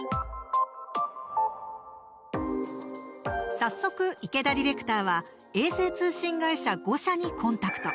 早速、池田ディレクターは衛星通信会社５社にコンタクト。